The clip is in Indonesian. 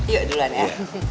yuk duluan ya